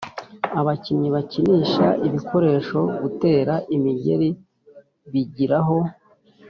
abakinnyi bakinisha ibikoresho gutera imigeri bigiraho